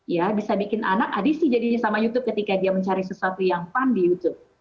ya bisa bikin anak adisi jadi sama youtube ketika dia mencari sesuatu yang fun di youtube